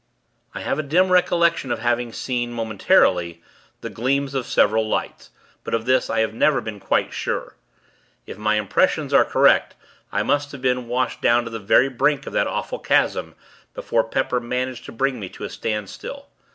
I have a dim recollection of having seen, momentarily, the gleams of several lights; but, of this, I have never been quite sure. If my impressions are correct, I must have been washed down to the very brink of that awful chasm, before Pepper managed to bring me to a standstill.